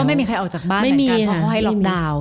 ไม่มีใครออกจากบ้านเหมือนกันเพราะเขาให้ล็อคดาวส์